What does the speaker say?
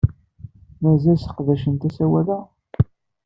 Mazal sseqdacent asawal-a?